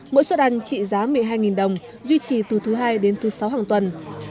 mỗi suất ăn trị giá một mươi hai đồng duy trì từ thứ hai đến thứ sáu hàng tuần